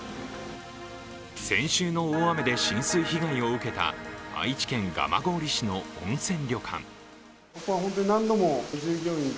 先週の大雨で浸水被害を受けた愛知県蒲郡市の温泉旅館。